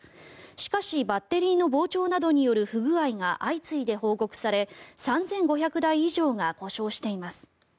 しかしバッテリーの膨張などによる不具合が相次いで報告され３５００台以上が故障しています。